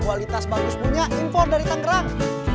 kualitas bagus punya impor dari tangerang